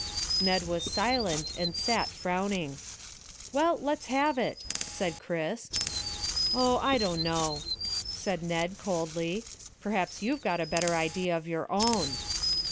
Ned was silent, and sat frowning. "Well, let's have it," said Chris. "Oh, I don't know," said Ned coldly. "Perhaps you've got a better idea of your own."